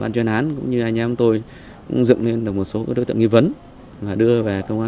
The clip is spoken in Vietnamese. để điều tra làm rõ